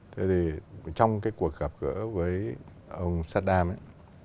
thế thì trong cái cuộc gặp gỡ với ông sadam ấy